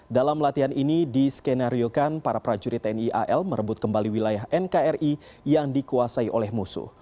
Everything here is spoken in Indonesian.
dalam latihan ini diskenariokan para prajurit tni al merebut kembali wilayah nkri yang dikuasai oleh musuh